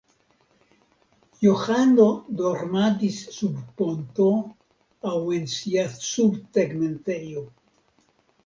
Johano dormadis sub ponto aŭ en sia subtegmentejo.